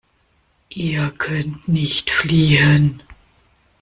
Ihr könnt nicht fliehen.